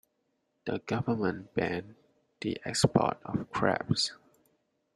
The government banned the export of crabs.